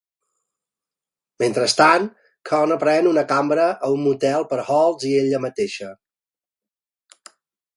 Mentrestant, Connor pren una cambra a un motel per Holtz i ella mateixa.